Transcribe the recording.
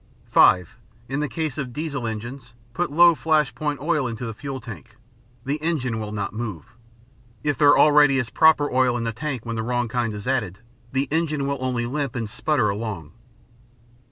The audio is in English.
(5) In the case of Diesel engines, put low flashpoint oil into the fuel tank; the engine will not move. If there already is proper oil in the tank when the wrong kind is added, the engine will only limp and sputter along.